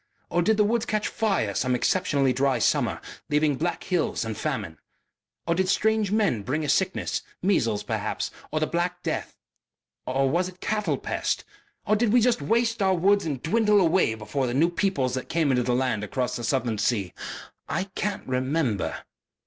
Or did the woods catch fire some exceptionally dry summer, leaving black hills and famine? Or did strange men bring a sickness measles, perhaps, or the black death? Or was it cattle pest? Or did we just waste our woods and dwindle away before the new peoples that came into the land across the southern sea? I can't remember...."